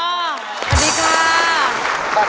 อ่าสวัสดีครับ